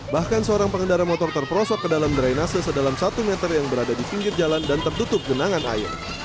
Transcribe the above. bahkan seorang pengendara motor terperosok ke dalam drainase sedalam satu meter yang berada di pinggir jalan dan tertutup genangan air